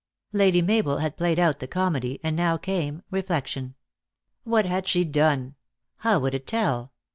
Lady Mabel had played out the comedy, and now came reflection. What had she done? How would it tell